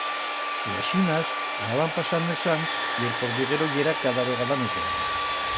Y aixinas anaban pasand els ans y el forniguero yera cada vegada mes gran.